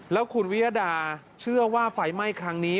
แล้วคุณวิยดาเชื่อว่าไฟไหม้ครั้งนี้